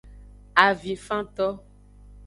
Avinfanto.